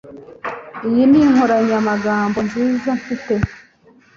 Iyi ni inkoranyamagambo nziza mfite